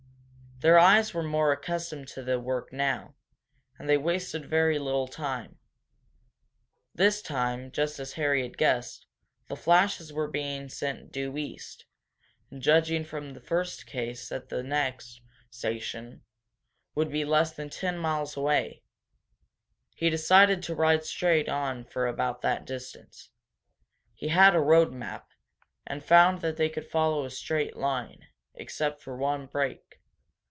Their eyes were more accustomed to the work now, and they wasted very little time. This time, just as Harry had guessed, the flashes were being sent due east, and judging from the first case that the next station would be less than ten miles away, he decided to ride straight on for about that distance. He had a road map, and found that they could follow a straight line, except for one break.